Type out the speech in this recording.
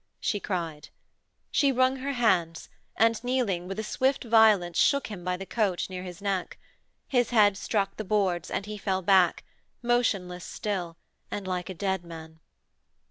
she cried. She wrung her hands, and kneeling, with a swift violence shook him by the coat near his neck. His head struck the boards and he fell back, motionless still, and like a dead man.